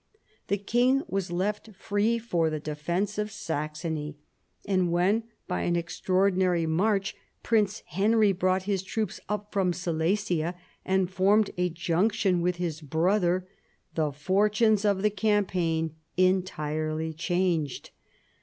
The king was left free for the defence of Saxony, and when, by an extraordinary march, Prince Henry brought his troops up from Silesia and formed a junction with his brother, the fortunes of the campaign entirely changed.